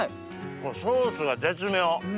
このソースが絶妙。